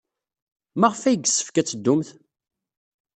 Maɣef ay yessefk ad teddumt?